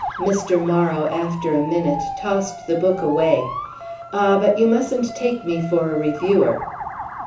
Mr. Morrow, after a minute, tossed the book away. "Ah but you mustn't take me for a reviewer."